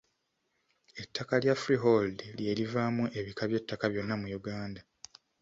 Ettaka lya freehold lye livaamu ebika by’ettaka byonna mu Uganda.